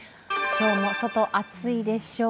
今日も外、暑いでしょう。